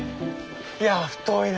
いや太いな。